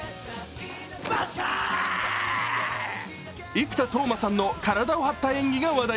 生田斗真さんの体を張った演技が話題。